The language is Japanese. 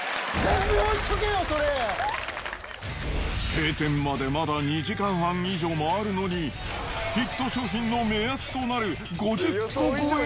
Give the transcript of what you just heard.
閉店までまだ２時間半以上もあるのに、ヒット商品の目安となる５０個超え。